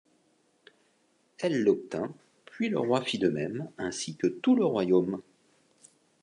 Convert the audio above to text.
Elle l'obtint, puis le roi fit de même, ainsi que tout le royaume.